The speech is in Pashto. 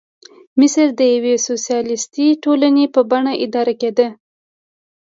مصر د یوې سوسیالیستي ټولنې په بڼه اداره کېده.